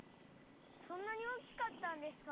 そんなに大きかったんですか？